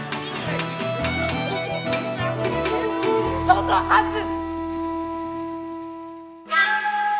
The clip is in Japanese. そのはず。